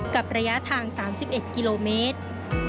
กับระยะทาง๓๑กิโลเมตร